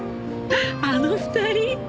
あの２人！